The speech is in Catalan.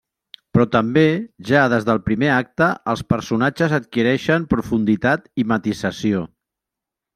Però també ja des del primer acte els personatges adquireixen profunditat i matisació.